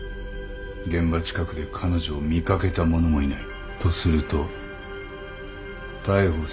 現場近くで彼女を見かけた者もいない。とすると逮捕するには何が必要だ？